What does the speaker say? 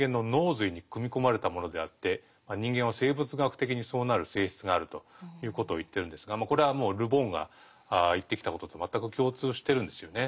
人間は生物学的にそうなる性質があるということを言ってるんですがこれはもうル・ボンが言ってきたことと全く共通してるんですよね。